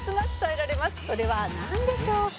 「それはなんでしょうか？」